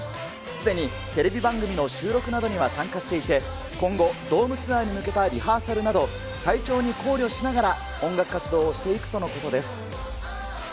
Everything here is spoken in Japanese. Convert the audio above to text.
すでにテレビ番組の収録などには参加していて、今後、ドームツアーに向けたリハーサルなど、体調に考慮しながら音楽活動をしていくとのことです。